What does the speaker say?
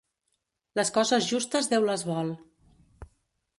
Les coses justes Déu les vol.